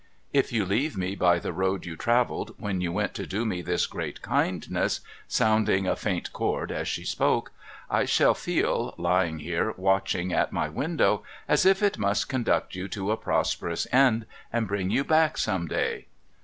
If you leave me by the road you travelled when you went to do me this great kindness,' sounding a faint chord as she spoke, ' I shall feel, lying here watching at my window, as if it must conduct you to a prosperous end, and bring you back some day.'